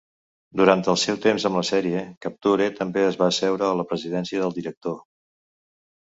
Durant el seu temps amb la sèrie, Kapture també es va asseure a la presidència del director.